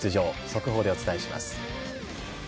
速報でお伝えします。